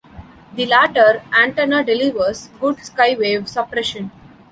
The latter antenna delivers good skywave suppression.